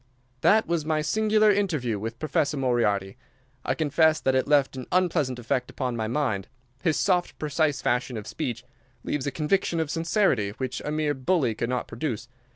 "That was my singular interview with Professor Moriarty. I confess that it left an unpleasant effect upon my mind. His soft, precise fashion of speech leaves a conviction of sincerity which a mere bully could not produce.